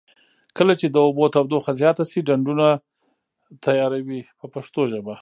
کله چې د اوبو تودوخه زیاته شي ډنډونه تیاروي په پښتو ژبه.